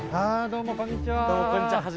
どうもこんにちは。